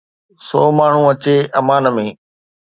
سو ماڻهو اچي امان ۾.